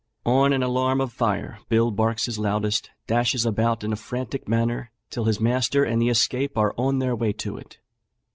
On an alarm of fire Bill barks his loudest, dashes about in a frantic manner, till his master and the escape are on their way to it.